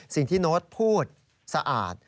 สิ่งที่โน๊ตพูดสะอาด